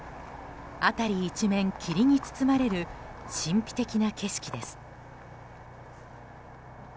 辺り一面、霧に包まれる神秘的な景色です。